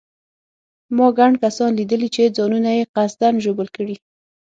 ما ګڼ کسان لیدلي چې ځانونه یې قصداً ژوبل کړي.